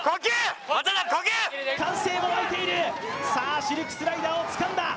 歓声ももれている、シルクスライダーをつかんだ。